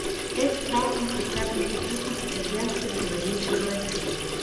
Тэкст цалкам прасякнуты духам італьянскай вызваленчай барацьбы.